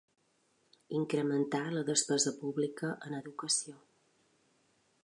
Incrementar la despesa pública en educació.